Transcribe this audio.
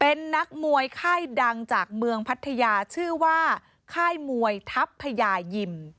เป็นนักมวยค่ายดังจากเมืองพัทยาชื่อว่าค่ายมวยทัพพยายิม